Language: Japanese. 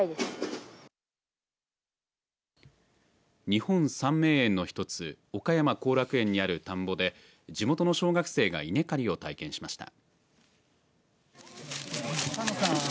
日本三名園の１つ岡山後楽園にある田んぼで地元の小学生が稲刈りを体験しました。